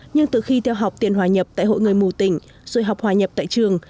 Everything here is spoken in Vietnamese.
nhưng từ khi theo học tiền hòa nhập tại hội người mù tỉnh rồi học hòa nhập tại trường